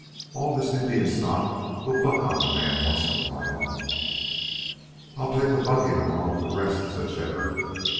All this Indian stock will buck on a man once in a while." "I'll take the bucking along with the rest," said Shefford.